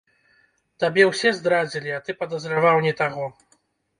Табе ўсе здрадзілі, а ты падазраваў не таго!